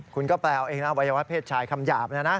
คุณก็แปลว่าอวัยวะเพศชายคำหยาบนะนะ